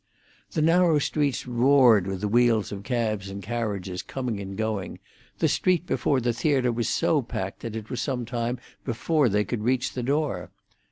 The narrow streets roared with the wheels of cabs and carriages coming and going; the street before the theatre was so packed that it was some time before they could reach the door.